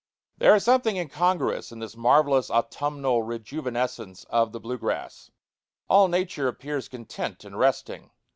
There is something incongruous in this marvellous autumnal rejuvenescence of the blue grass. All nature appears content and resting.